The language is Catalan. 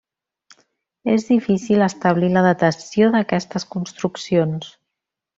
És difícil d'establir la datació d'aquestes construccions.